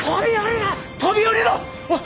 飛び降りろ！